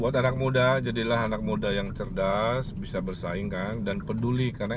buat anak muda jadilah anak muda yang cerdas bisa bersaing kan dan peduli karena